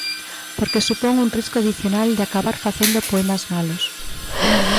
Porque supón un risco adicional de acabar facendo poemas malos.